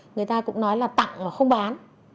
người ta cũng nói là tặng mà không bán